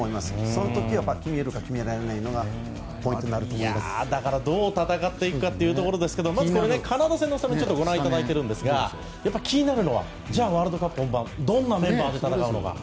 その時は決めるか決められないのかがどう戦っていくかですがまずカナダ戦のスタメンをご覧いただいているのは気になるのはワールドカップ本番はどんなメンバーで戦うのか。